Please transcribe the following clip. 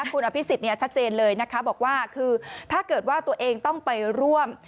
คุณอภิษฎชัดเจนเลยนะคะบอกว่าคือถ้าเกิดว่าตัวเองต้องไปร่วม